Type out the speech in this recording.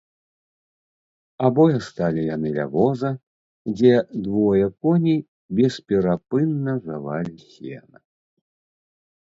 Абое сталі яны ля воза, дзе двое коней бесперапынна жавалі сена.